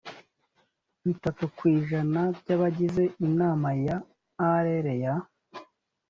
itatu ku ijana by abagize inama ya rlea